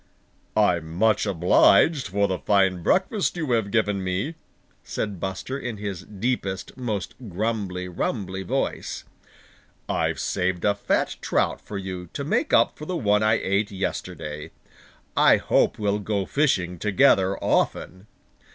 "I'm much obliged for the fine breakfast you have given me," said Buster in his deepest, most grumbly rumbly voice. "I've saved a fat trout for you to make up for the one I ate yesterday. I hope we'll go fishing together often."